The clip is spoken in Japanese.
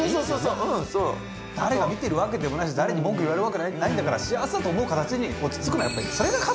誰が見てるわけでもないし誰に文句言われるわけないんだから幸せだと思う形に落ち着くのがやっぱり。